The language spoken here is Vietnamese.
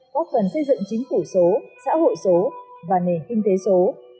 góp phần xây dựng chính phủ số xã hội số và nền kinh tế số